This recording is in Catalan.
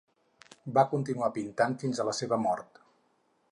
Va continuar pintant fins a la seva mort.